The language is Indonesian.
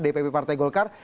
dpp partai golkar